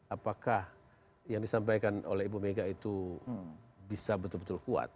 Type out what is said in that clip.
apakah yang disampaikan oleh ibu mega itu bisa betul betul kuat